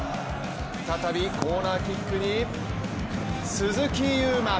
再びコーナーキックに鈴木優磨。